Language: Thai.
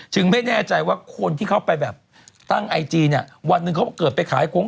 ไม่แน่ใจว่าคนที่เขาไปแบบตั้งไอจีเนี่ยวันหนึ่งเขาเกิดไปขายโค้ง